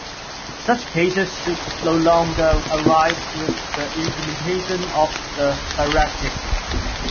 Such cases should no longer arise with the implementation of the directive.